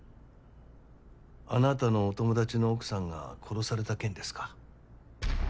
あなたのお友達の奥さんが殺された件ですか？